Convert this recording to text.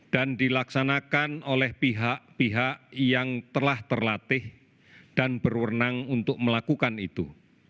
dan dilaksanakan oleh pihak pihak yang telah terlatih dan berwenang untuk melakukan itu